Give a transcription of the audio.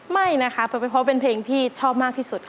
ไม่นะคะเพราะเป็นเพลงที่ชอบมากที่สุดค่ะ